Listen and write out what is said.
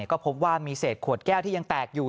ก็พบว่ามีเศษขวดแก้วที่ยังแตกอยู่